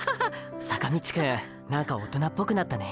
坂道くんなんか大人っぽくなったね。